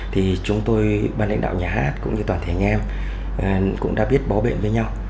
thì chúng tôi ban lãnh đạo nhà hát cũng như toàn thể nhà em cũng đã biết bảo vệ với nhau